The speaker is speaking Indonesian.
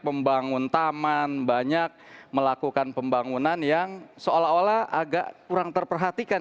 membangun taman banyak melakukan pembangunan yang seolah olah agak kurang terperhatikan